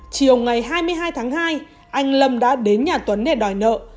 chiều ngày hai mươi hai tháng hai anh lâm đã đến nhà tuấn để đòi nợ